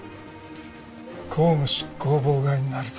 公務執行妨害になるぞ。